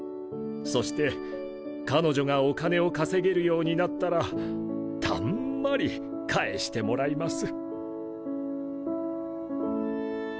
そして彼女がお金を稼げるようになったらたんまり返してもらいます。